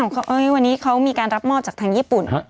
เขาวันนี้เขามีการรับมอบจากทางญี่ปุ่น